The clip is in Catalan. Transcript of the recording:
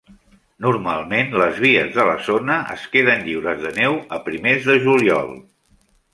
Normalment les vies de la zona est queden lliures de neu a primers de juliol.